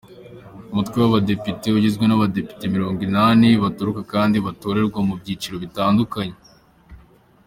Umutwe w’Abadepite ugizwe n’Abadepite mirongo inani, baturuka kandi batorerwa mu byiciro bitandukanye.